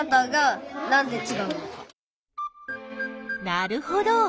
なるほど！